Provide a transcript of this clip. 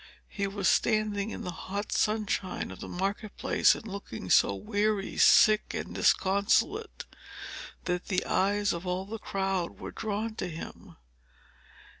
He was standing in the hot sunshine of the market place, and looking so weary, sick, and disconsolate, that the eyes of all the crowd were drawn to him.